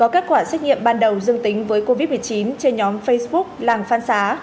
kết quả xét nghiệm ban đầu dương tính với covid một mươi chín trên nhóm facebook làng phan xá